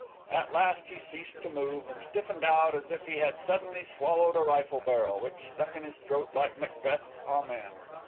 At last he ceased to move, and stiffened out as if he had suddenly swallowed a rifle barrel, which stuck in his throat like Macbeth's amen.